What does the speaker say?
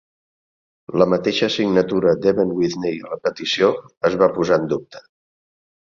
La mateixa signatura d'Even Whitney a la petició es va posar en dubte.